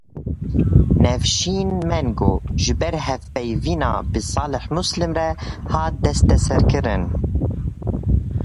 Nevşîn Mengu ji ber hevpeyvîna bi Salih Muslim re hat desteserkirin